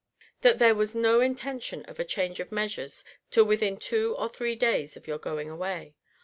'That there was no intention of a change of measures till within two or three days of your going away.